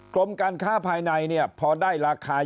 อย่างนั้นเนี่ยถ้าเราไม่มีอะไรที่จะเปรียบเทียบเราจะทราบได้ไงฮะเออ